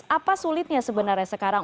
apa sulitnya sebenarnya sekarang